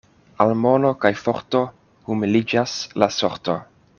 Al mono kaj forto humiliĝas la sorto.